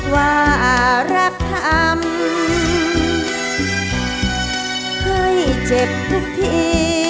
ว่าการรักทำเคยเจ็บทุกที่